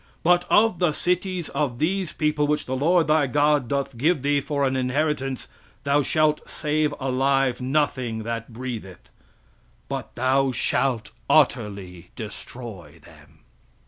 "But of the cities of these people, which the Lord thy God doth give thee for an inheritance, thou shaft save alive nothing that breatheth. "But thou shalt utterly destroy them."